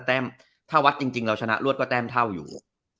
แต้มถ้าวัดจริงเราชนะรวดก็แต้มเท่าอยู่